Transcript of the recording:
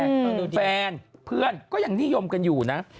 แฟนเพื่อนก็ยังนิยมกันอยู่นะ